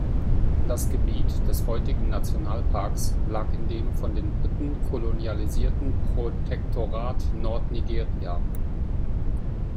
Das Gebiet des heutigen Nationalparks lag in dem von den Briten kolonialisierten Protektorat Nordnigeria.